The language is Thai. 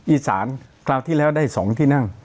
อีสานคราวที่แล้วได้๒ที่นั่ง